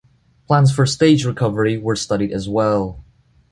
Plans for stage recovery were studied as well.